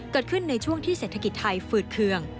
เกิดขึ้นในช่วงที่เศรษฐกิจไทยฝืดเคือง